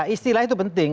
istilah itu penting